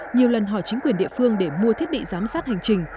nhiều lần hỏi chính quyền địa phương để mua thiết bị giám sát hành trình